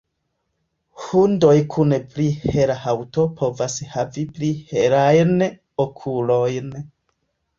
Hundoj kun pli hela haŭto povas havi pli helajn okulojn.